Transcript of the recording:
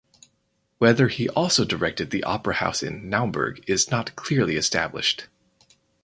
Whether he also directed the opera house in Naumburg is not clearly established.